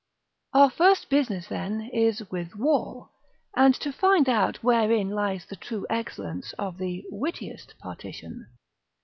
Our first business, then, is with Wall, and to find out wherein lies the true excellence of the "Wittiest Partition."